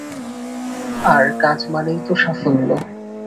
আর কাজ মানেই তো সাফল্য।